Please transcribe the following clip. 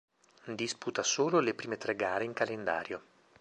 Disputa solo le prime tre gare in calendario.